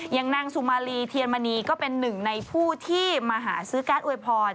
อย่างนางสุมาลีเทียนมณีก็เป็นหนึ่งในผู้ที่มาหาซื้อการ์ดอวยพร